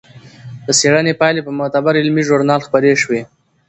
د څېړنې پایلې په معتبر علمي ژورنال خپرې شوې.